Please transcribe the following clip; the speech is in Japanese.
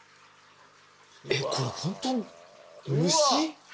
えっこれホント虫？